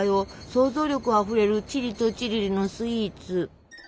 想像力あふれるチリとチリリのスイーツ。